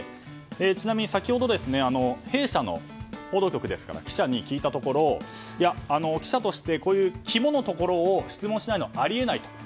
ちなみに先ほど弊社の報道局の記者に聞いたところ記者としてこういう胆のところを質問しないのはあり得ないと。